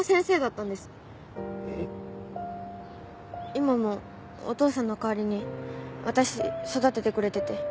今もお父さんの代わりに私育ててくれてて。